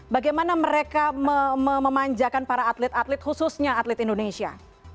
bagaimana mereka memanjakan para atlet atlet khususnya atlet indonesia